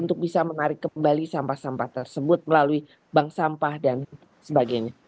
untuk bisa menarik kembali sampah sampah tersebut melalui bank sampah dan sebagainya